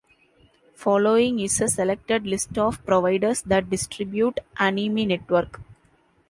Following is a selected list of providers that distribute Anime Network.